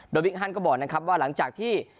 โดยบิ๊กฮันก็บอกนะครับว่าหลังจากที่